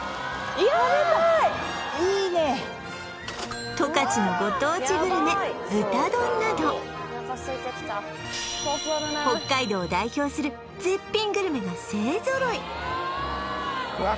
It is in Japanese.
いやいいね十勝のご当地グルメ豚丼など北海道を代表する絶品グルメが勢揃いうわっ